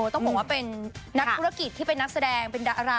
ต้องบอกว่าเป็นนักธุรกิจที่เป็นนักแสดงเป็นดารา